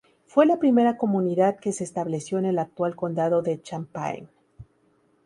Fue la primera comunidad que se estableció en el actual condado de Champaign.